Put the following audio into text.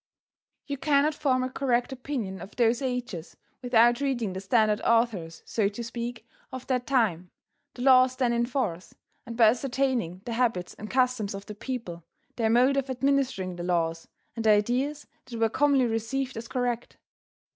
You cannot form a correct opinion of those ages without reading the standard authors, so to speak, of that time, the laws then in force, and by ascertaining the habits and customs of the people, their mode of administering the laws, and the ideas that were commonly received as correct.